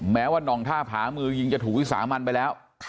แม้ว่าน่องท่าผามือยิงจะถูกวิสามันไปแล้ว